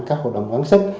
các hội đồng gắn sức